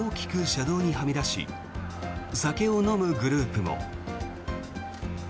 車道にはみ出し酒を飲むグループも。